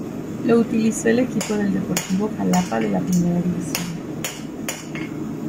Lo utilizó el equipo del Deportivo Jalapa de la Primera División.